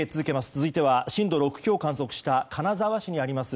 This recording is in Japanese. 続いては震度６強を観測した金沢市にあります